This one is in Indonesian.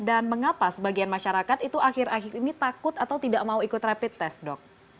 dan mengapa sebagian masyarakat itu akhir akhir ini takut atau tidak mau ikut rapid test dok